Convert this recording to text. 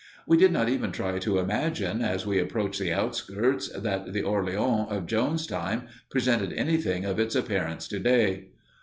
We did not even try to imagine, as we approached the outskirts, that the Orleans of Joan's time presented anything of its appearance to day.